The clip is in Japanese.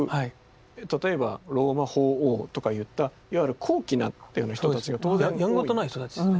例えばローマ法王とかいったいわゆる高貴なっていうような人たちが当然やんごとない人たち。